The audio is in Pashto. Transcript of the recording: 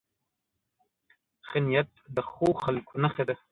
ښه نیت د ښو خلکو نښه ده.